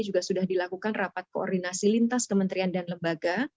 juga sudah dilakukan rapat koordinasi lintas kementerian dan lembaga